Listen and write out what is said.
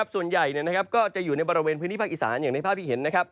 ส่วนใหญ่ก็จะอยู่ในบริเวณพื้นที่ภาคอีสานอย่างในภาพที่เห็น